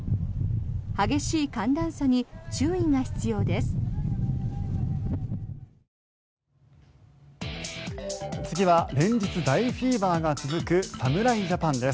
激しい寒暖差に注意が必要です。